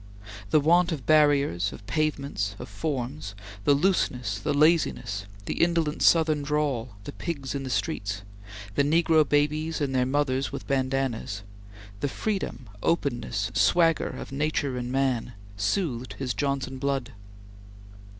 The want of barriers, of pavements, of forms; the looseness, the laziness; the indolent Southern drawl; the pigs in the streets; the negro babies and their mothers with bandanas; the freedom, openness, swagger, of nature and man, soothed his Johnson blood.